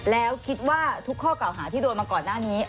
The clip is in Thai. แล้วคิดว่าทุกข้อเก่าหาที่โดนมาก่อนหน้านี้